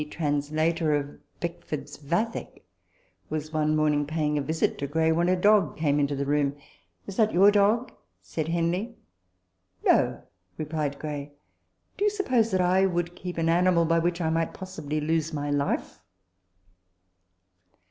TABLE TALK OF SAMUEL ROGERS 17 was one morning paying a visit to Gray, when a dog came into the room. " Is that your dog ?" said Henley. " No," replied Gray ; "do you suppose that I would keep an animal by which I might possibly lose my life